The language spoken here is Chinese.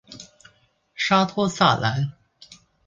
沙托萨兰。